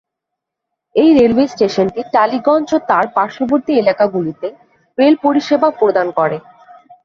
এই রেলওয়ে স্টেশনটি টালিগঞ্জ ও তার পার্শ্ববর্তী এলাকাগুলিতে রেল পরিষেবা প্রদান করে।